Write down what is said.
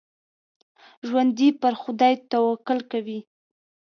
ژوندي پر خدای توکل کوي